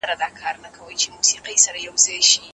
عدالت باید د ټولنې په ټولو برخو کې وي.